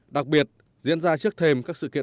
đặc biệt diễn ra trước thềm các sự kiện